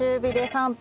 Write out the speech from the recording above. ３分。